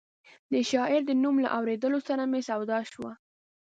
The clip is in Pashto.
د شاعر د نوم له اورېدو سره مې سودا شوه.